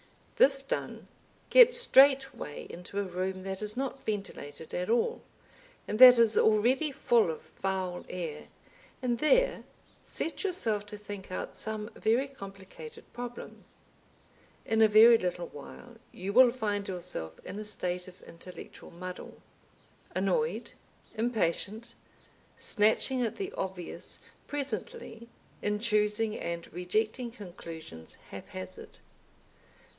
This done, get straightway into a room that is not ventilated at all, and that is already full of foul air, and there set yourself to think out some very complicated problem. In a very little while you will find yourself in a state of intellectual muddle, annoyed, impatient, snatching at the obvious presently in choosing and rejecting conclusions haphazard.